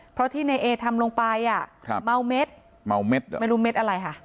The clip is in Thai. เพราะที่ในเอทำลงไปอ่ะครับเมาเม็ดเมาเม็ดเหรอไม่รู้เม็ดอะไรค่ะ